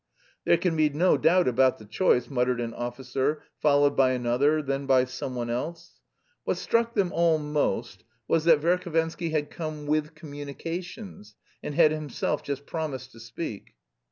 "There can be no doubt about the choice," muttered an officer, followed by another, then by someone else. What struck them all most was that Verhovensky had come "with communications" and had himself just promised to speak.